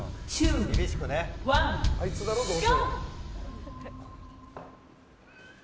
あいつだろ、どうせ。